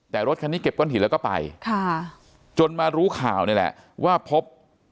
แต่รถคันนี้เก็บก้อนหินแล้วก็ไปค่ะจนมารู้ข่าวนี่แหละว่าพบ